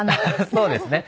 そうですね。